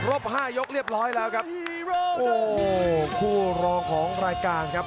โโฮคู่รองของรายการครับ